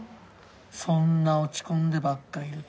そんな落ち込んでばっかいると。